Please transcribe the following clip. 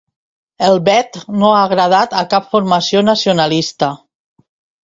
El vet no ha agradat a cap formació nacionalista